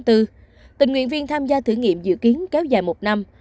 tình nguyện viên tham gia thử nghiệm dự kiến kéo dài một năm